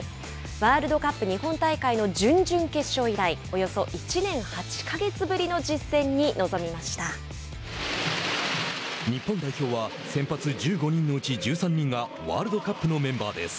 ワールドカップ日本大会の準々決勝以来およそ１年８か月ぶりの日本代表は先発１５人のうち１３人がワールドカップのメンバーです。